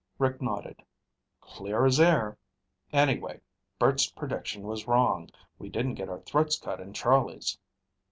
Rick nodded. "Clear as air. Anyway, Bert's prediction was wrong. We didn't get our throats cut in Charlie's."